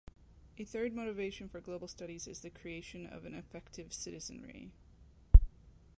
A third motivation for global studies is the creation of an effective citizenry.